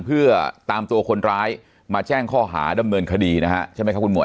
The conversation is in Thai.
เพื่อตามตัวคนร้ายมาแจ้งข้อหาดำเนินคดีนะฮะใช่ไหมครับคุณหวย